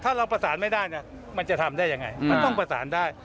ถ้าเราภาษาไม่ได้จะทำได้ยังไงมันต้องภาษาได้